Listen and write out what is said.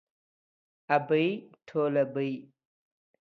ابۍ ټوله بۍ.